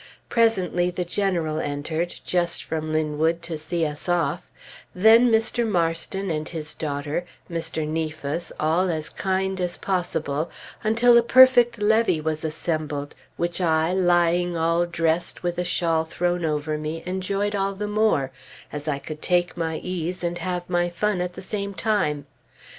Presently the General entered, just from Linwood, to see us off; then Mr. Marston and his daughter, and Mr. Neafus, all as kind as possible, until a perfect levee was assembled, which I, lying all dressed with a shawl thrown over me, enjoyed all the more as I could take my ease, and have my fun at the same time.